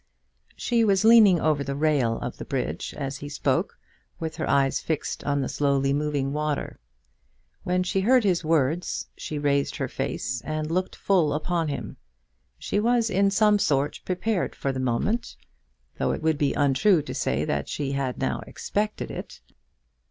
She was leaning over the rail of the bridge as he spoke, with her eyes fixed on the slowly moving water. When she heard his words, she raised her face and looked full upon him. She was in some sort prepared for the moment, though it would be untrue to say that she had now expected it.